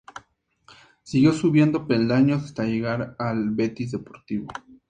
Siguió subiendo peldaños hasta llegar al Betis Deportivo.